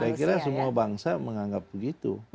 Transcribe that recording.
saya kira semua bangsa menganggap begitu